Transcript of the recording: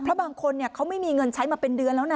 เพราะบางคนเขาไม่มีเงินใช้มาเป็นเดือนแล้วนะ